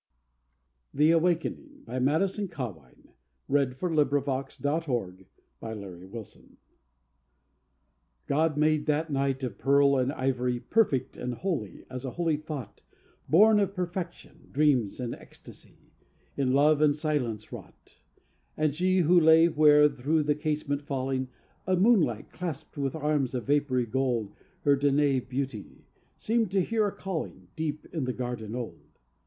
I have remembered many and many a year, And you you have forgot. THE AWAKENING God made that night of pearl and ivory, Perfect and holy as a holy thought Born of perfection, dreams, and ecstasy, In love and silence wrought. And she, who lay where, through the casement falling, The moonlight clasped with arms of vapory gold Her Danaë beauty, seemed to hear a calling Deep in the garden old.